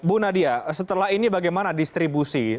bu nadia setelah ini bagaimana distribusi